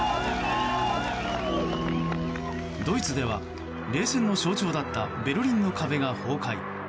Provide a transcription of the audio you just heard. ドイツでは、冷戦の象徴だったベルリンの壁が崩壊。